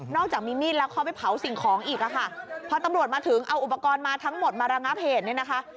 จากมีมีดแล้วเขาไปเผาสิ่งของอีกอะค่ะพอตำรวจมาถึงเอาอุปกรณ์มาทั้งหมดมาระงับเหตุเนี่ยนะคะ